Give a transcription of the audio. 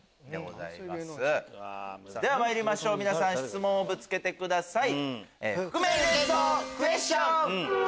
では参りましょう皆さん質問をぶつけてください。